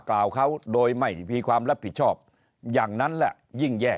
กล่าวเขาโดยไม่มีความรับผิดชอบอย่างนั้นแหละยิ่งแย่